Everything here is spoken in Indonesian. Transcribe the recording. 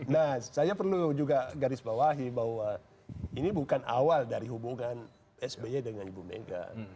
nah saya perlu juga garis bawahi bahwa ini bukan awal dari hubungan sby dengan ibu mega